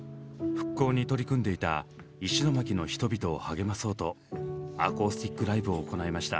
復興に取り組んでいた石巻の人々を励まそうとアコースティックライブを行いました。